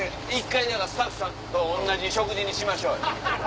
１回スタッフさんと同じ食事にしましょうよ。